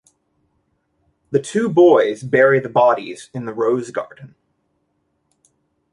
The two boys bury the bodies in the rose garden.